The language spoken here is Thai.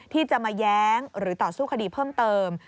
ที่จะมาแย้งหรือต่อสู้คดีเพิ่มเติม